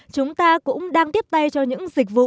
chúng ta cũng đang tiếp tay cho những dịch vụ